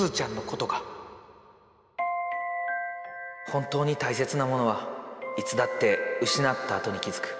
本当に大切なものはいつだって失ったあとに気付く。